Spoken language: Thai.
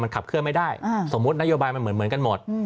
ขับเคลื่อนไม่ได้สมมุตินโยบายมันเหมือนกันหมด